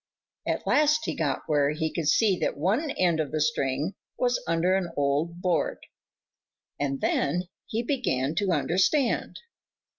At last he got where he could see that one end of the string was under an old board, and then he began to understand.